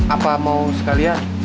apa mau sekalian